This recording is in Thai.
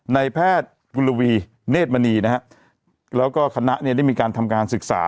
ในแพทย์กุลวีเนธมณีนะฮะแล้วก็คณะเนี่ยได้มีการทำการศึกษา